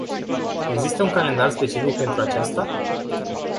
Există un calendar specific pentru aceasta?